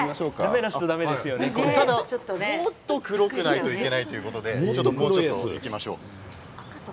ただ、もっと黒くないといけないということで行きましょう。